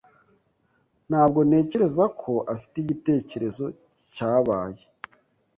Ntabwo ntekereza ko afite igitekerezo cyabaye.